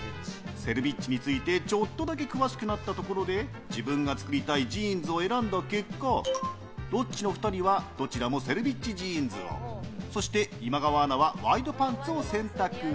セルビッチについてちょっとだけ詳しくなったとこで自分の作りたいジーンズを選んだ結果ロッチの２人はどちらもセルビッチジーンズをそして、今川アナはワイドパンツを選択。